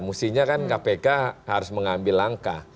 mesti nya kan kpk harus mengambil langkah